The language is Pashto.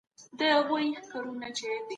خپل ملي عاید د ښه پلان له لاري لوړ کړئ.